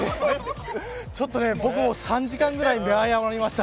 ちょっと僕も３時間ぐらい見誤りました。